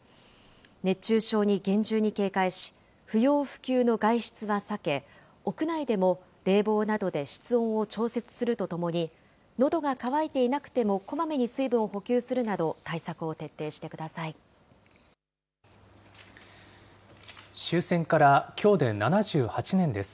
熱中症に厳重に警戒し、不要不急の外出は避け、屋内でも冷房などで室温を調節するとともに、のどが渇いていなくてもこまめに水分を補給するなど、対策を徹底終戦からきょうで７８年です。